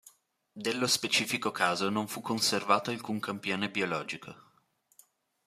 Dello specifico caso non fu conservato alcun campione biologico.